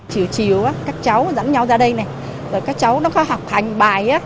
chiều chiều các cháu dẫn nhau ra đây các cháu nó có học hành bài